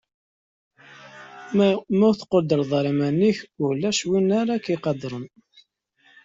Ma ur tqudreḍ ara iman-ik, ulac win ara k-iqadren.